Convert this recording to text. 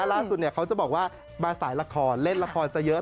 ล่าสุดเนี่ยเขาจะบอกว่ามาสายละครเล่นละครซะเยอะ